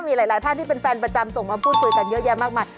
มีหลายท่านที่เป็นแฟนประจำส่งมาพูดคุยกันเยอะแยะมากมาย